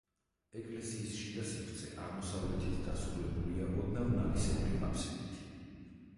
ეკლესიის შიდა სივრცე აღმოსავლეთით დასრულებულია ოდნავ ნალისებრი აფსიდით.